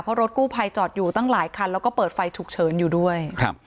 เพราะรถกู้ภัยจอดอยู่ตั้งหลายคันแล้วก็เปิดไฟฉุกเฉินอยู่ด้วยครับ